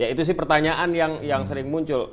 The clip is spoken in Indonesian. ya itu sih pertanyaan yang sering muncul